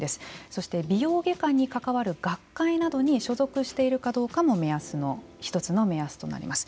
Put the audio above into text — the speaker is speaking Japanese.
そして美容外科に関わる学会などに所属しているかどうかも一つの目安となります。